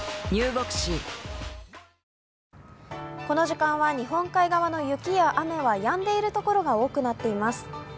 この時間は日本海側の雪や雨はやんでいるところが多くなっています。